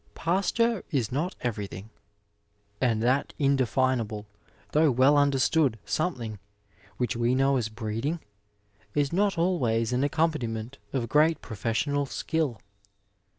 Pasture is not everything and that indefinable, though well understood, something which we know as breeding, is not always an accompaniment of great professional skill.